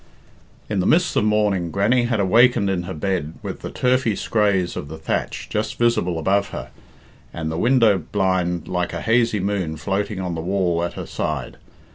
X. In the mists of morning, Grannie had awakened in her bed with the turfy scraas of the thatch just visible above her, and the window blind like a hazy moon floating on the wall at her side.